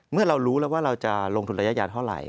เมื่อเรารู้แล้วว่าเราจะลงทุนระยะยาวเท่าไหร่